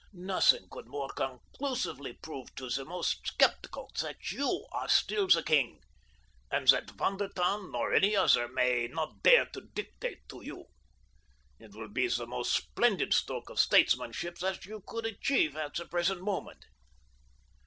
"Nothing could more conclusively prove to the most skeptical that you are still the king, and that Von der Tann, nor any other, may not dare to dictate to you. It will be the most splendid stroke of statesmanship that you could achieve at the present moment."